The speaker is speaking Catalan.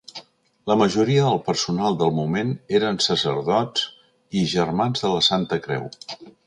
La majoria del personal del moment eren sacerdots i germans de la Santa Creu.